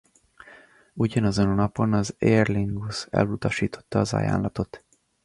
Ugyanazon a napon az Aer Lingus elutasította az ajánlatot.